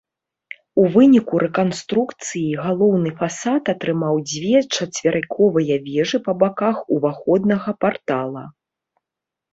У выніку рэканструкцыі галоўны фасад атрымаў дзве чацверыковыя вежы па баках уваходнага партала.